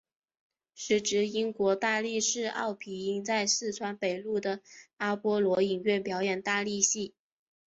时值英国大力士奥皮音在四川北路的阿波罗影院表演大力戏。